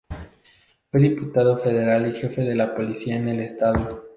Fue diputado federal y jefe de la policía en el estado.